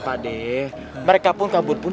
pak d mereka pun kabur pun